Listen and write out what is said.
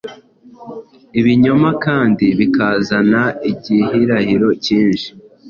ibinyoma kandi bikazana igihirahiro cyinshi.